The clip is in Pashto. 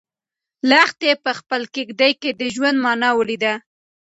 لښتې په خپله کيږدۍ کې د ژوند مانا ولیده.